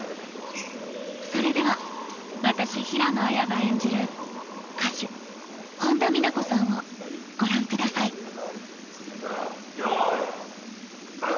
それでは私平野綾が演じる歌手本田美奈子．さんをご覧くださいよいスタート！